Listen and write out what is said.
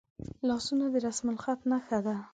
لاسونه د رسمالخط نښه ده